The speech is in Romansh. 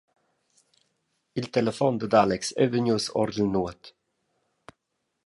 Il telefon dad Alex ei vegnius ord il nuot.